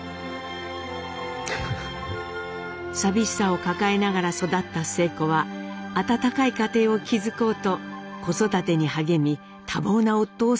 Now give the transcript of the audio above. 寂しさを抱えながら育った晴子は温かい家庭を築こうと子育てに励み多忙な夫を支えます。